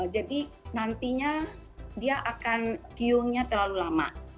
jadi nantinya dia akan kewing nya terlalu lama